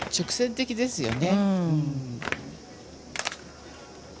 直線的ですよね。